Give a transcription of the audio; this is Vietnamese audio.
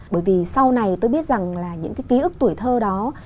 bởi vì sau này tôi biết rằng là những cái ký ức tuổi thơ đó